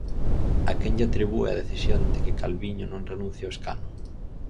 A quen lle atribúe a decisión de que Calviño non renuncie ao escano?